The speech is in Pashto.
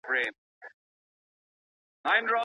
د حافظې کمزورتیا ولي رامنځته کیږي؟